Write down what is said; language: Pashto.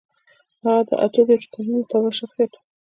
هغه د اتو دېرشو کلونو معتبر شخصيت و.